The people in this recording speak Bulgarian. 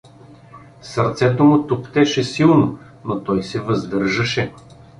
Сърцето му туптеше силно, но той се въздържаше.